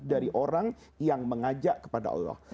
dari orang yang mengajak kepada allah